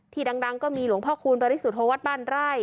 ดังก็มีหลวงพ่อคูณบริสุทธวัฒน์บ้านไร่